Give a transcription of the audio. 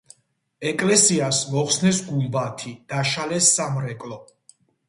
ეკლესიას მოხსნეს გუმბათი, დაშალეს სამრეკლო.